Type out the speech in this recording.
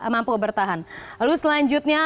mampu bertahan lalu selanjutnya